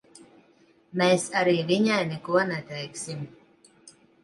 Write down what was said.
Mēs arī viņai neko neteiksim.